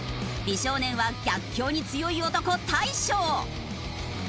美少年は逆境に強い男大昇！